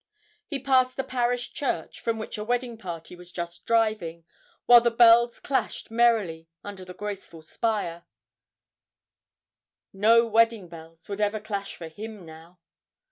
He passed the parish church, from which a wedding party was just driving, while the bells clashed merrily under the graceful spire no wedding bells would ever clash for him now.